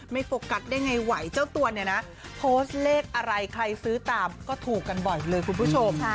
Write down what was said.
โฟกัสได้ไงไหวเจ้าตัวเนี่ยนะโพสต์เลขอะไรใครซื้อตามก็ถูกกันบ่อยเลยคุณผู้ชม